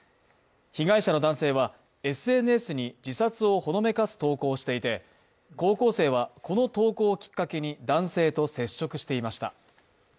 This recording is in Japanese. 被害者の男性はＳＮＳに自殺をほのめかす投稿をしていて高校生はこの投稿をきっかけに男性と接触していました。